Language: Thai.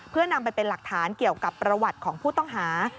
เพื่อนำไปเป็นหลักฐานเกี่ยวกับประวัติของผู้ต้องหา